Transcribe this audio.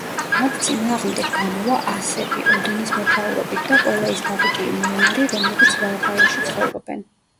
მათ წინააღმდეგ გამოვა ასები, ოდინის მეთაურობით და ყველა ის დაღუპული მეომარი, რომლებიც ვალჰალაში ცხოვრობენ.